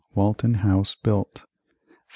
Walton House built 1753.